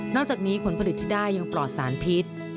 จากนี้ผลผลิตที่ได้ยังปลอดสารพิษ